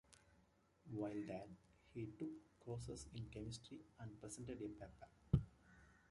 While there, he took courses in chemistry and presented a paper.